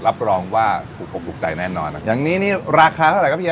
รับรองว่าถูกอกถูกใจแน่นอนนะครับอย่างนี้นี่ราคาเท่าไหร่ครับเฮี